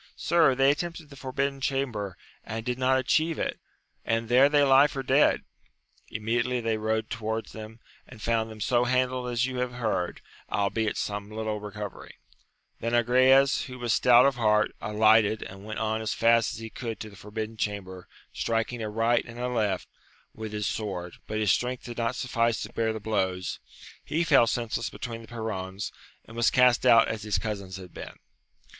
— Sir, they attempted the forbidden chamber, and did not atchieve it, and there they lie for dead ! Immediately they rode to wards them, and found them so handled as you have heard, albeit some little recovering. Then Agrayes, who was stout of heart, alighted, and went on as fast as he could to the forbidden chamber, striking aright and aleft, with his sword, but his strength did not suffice to bear the blows, he fell senseless betwe^i the perrons, and was cast out as his cousins had been.